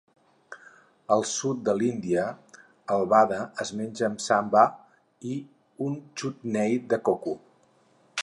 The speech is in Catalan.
Al sud de l'Índia, el vada es menja amb "sambar" i un chutney de coco.